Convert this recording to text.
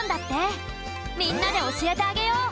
みんなでおしえてあげよう！